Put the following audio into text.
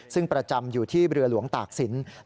ซึ่งประจำอยู่ที่เรือหลวงตากศิลป์